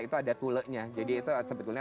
itu ada tuleknya jadi itu sebetulnya